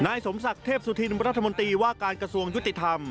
สมศักดิ์เทพสุธินรัฐมนตรีว่าการกระทรวงยุติธรรม